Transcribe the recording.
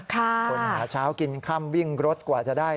คนหาเช้ากินค่ำวิ่งรถกว่าจะได้